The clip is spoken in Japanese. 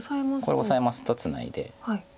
これオサえますとツナいで。